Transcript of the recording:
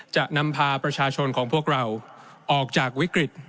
จะนำพาประชาชนของพวกเราออกจากวิกฤต